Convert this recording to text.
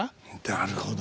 なるほど。